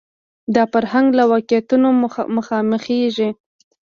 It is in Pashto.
دا فرهنګ له واقعیتونو مخامخېږي